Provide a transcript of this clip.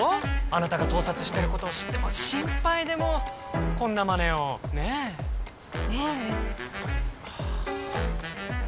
あなたが盗撮してることを知って心配でもうこんなマネをねえええ